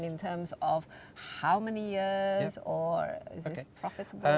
dalam hal berapa tahun